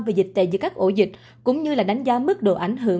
về dịch tệ giữa các ổ dịch cũng như đánh giá mức độ ảnh hưởng